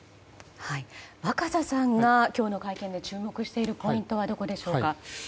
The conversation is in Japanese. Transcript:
若狭さんは今日の会見で注目しているポイントはどこでしょうか。